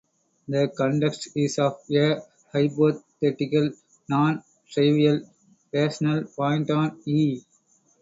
The context is of a hypothetical non-trivial rational point on "E".